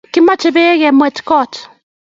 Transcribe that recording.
Kimache peek ke mwet kot